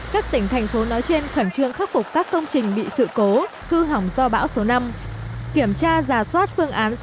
các tỉnh thành phố nói trên khẩn trương khắc phục các công trình bị sự cố cư hỏng do bão số năm